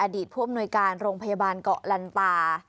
ผู้อำนวยการโรงพยาบาลเกาะลันตา